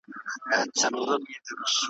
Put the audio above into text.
توپیر نسي چي نادان یې که عاقله